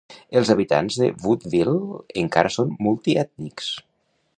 Els habitants de Woodville encara són multiètnics.